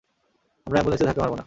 আমরা অ্যাম্বুলেন্সে ধাক্কা মারবো না।